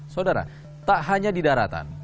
saudara tak hanya di daratan